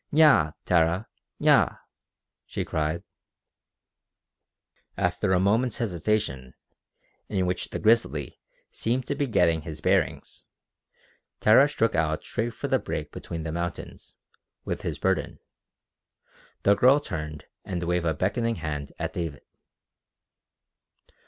"Neah, Tara, Neah!" she cried. After a moment's hesitation, in which the grizzly seemed to be getting his bearings, Tara struck out straight for the break between the mountains, with his burden. The girl turned and waved a beckoning hand at David.